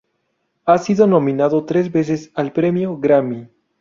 Ha sido nominado tres veces al premio Grammy.